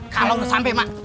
kalau udah sampe mak